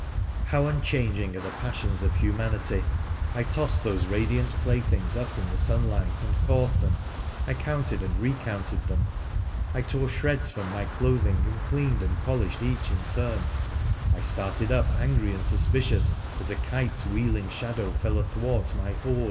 How unchanging are the passions of humanity ! I tossed those radiant playthings up in the sunlight and caught them, I counted and recounted them, I tore shreds from my clothing and cleaned and polished each in turn, I started up angry and suspicious as a kite's wheeling shadow fell athwart my hoard.